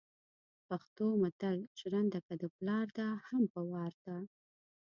پښتو متل ژرنده که دپلار ده هم په وار ده